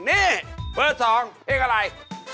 นี่เวอร์สองเพลงอะไร